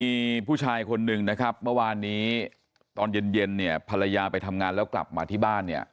มีผู้ชายคนหนึ่งนะครับเมื่อวานนี้ตอนเย็นเย็นเนี่ยภรรยาไปทำงานแล้วกลับมาที่บ้านเนี่ย